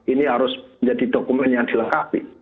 ini harus menjadi dokumen yang dilengkapi